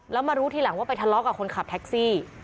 แล้วมารู้ทีหลังว่าไปทะเลาะกับคนขับแท็กซี่